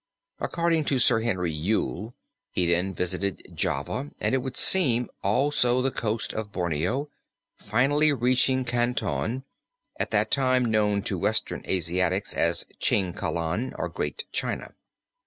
According to Sir Henry Yule he then visited Java and it would seem also the coast of Borneo, finally reaching Kanton, at that time known to Western Asiatics as Chin Kalan or Great China.